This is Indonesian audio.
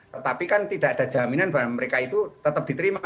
tetapi kan tidak ada jaminan bahwa mereka itu tetap diterima